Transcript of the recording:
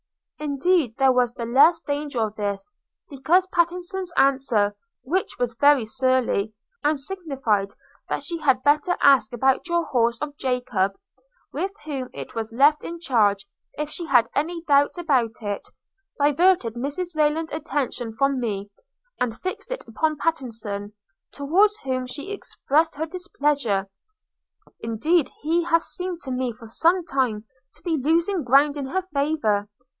– Indeed there was the less danger of this, because Pattenson's answer, which was very surly, and signified that she had better ask about your horse of Jacob, with whom it was left in charge, if she had any doubts about it, diverted Mrs Rayland's attention from me, and fixed it upon Pattenson, towards whom she expressed her displeasure. Indeed he has seemed to me for some time to be losing ground in her favour.